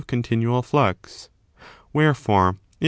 359 continual flux. Wherefore, if.